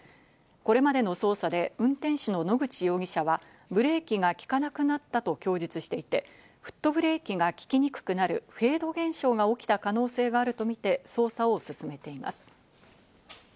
これまでの捜査で運転手の野口容疑者はブレーキが利かなくなったと供述していて、フットブレーキが利きにくくなるフェード現象が起きた可能性があるとみて捜査を進めています。